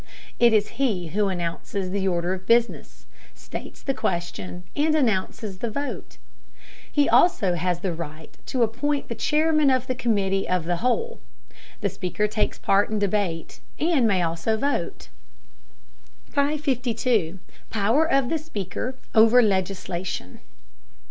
It is he who announces the order of business, states the question, and announces the vote. He also has the right to appoint the chairman of the committee of the whole. The Speaker takes part in debate and may also vote. 552. POWER OF THE SPEAKER OVER LEGISLATION.